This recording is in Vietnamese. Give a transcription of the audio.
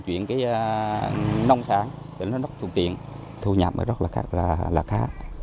chuyện nông sản tỉnh hà nội thu tiền thu nhập rất là khá